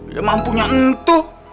udah mampunya untuk